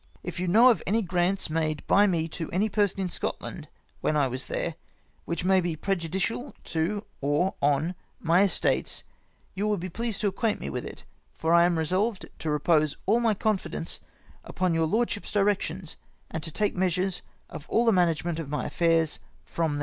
If you know of any grants made by me to any person in Scotland when I was there, which may be prejudicial to or on my estates, you will be pleased to acquaint me with it ; for I am resolved to repose all my confidence upon your lordship's directions, and to take measures of all the management of my affairs from them.